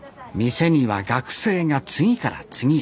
店には学生が次から次へ。